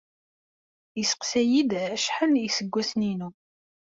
Yesseqsa-iyi-d acḥal iseggasen-inu.